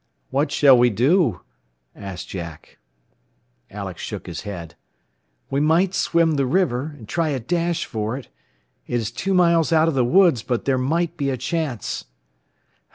"What shall we do?" asked Jack. Alex shook his head. "We might swim the river, and try a dash for it. It is two miles out of the woods, but there might be a chance."